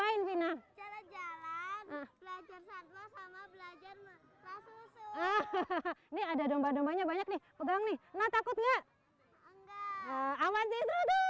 ini ada domba dombanya banyak nih